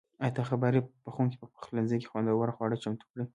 ایا ته خبر یې؟ پخونکي په پخلنځي کې خوندور خواړه چمتو کړي.